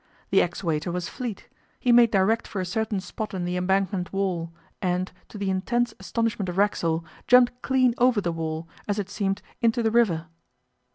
The ex waiter was fleet; he made direct for a certain spot in the Embankment wall, and, to the intense astonishment of Racksole, jumped clean over the wall, as it seemed, into the river.